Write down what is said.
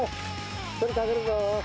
薬かけるぞ。